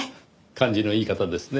感じのいい方ですね。